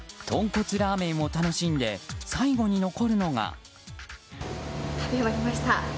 とんこつラーメンを楽しんで最後に残るのが。